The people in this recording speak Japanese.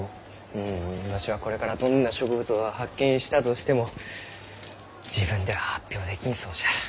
うんわしがこれからどんな植物を発見したとしても自分では発表できんそうじゃ。